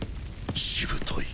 しぶとい。